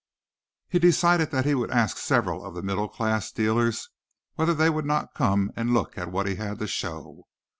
He decided that he would ask several of the middle class dealers whether they would not come and look at what he had to show.